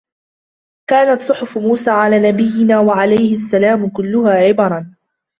كَانَتْ صُحُفُ مُوسَى عَلَى نَبِيِّنَا وَعَلَيْهِ السَّلَامُ كُلُّهَا عِبَرًا